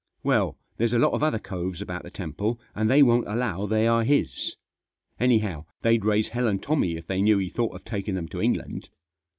Well, there's a lot of other coves about the temple, and they won't allow they are his. Anyhow, they'd raise hell and Tommy if they knew he thought of taking them to England."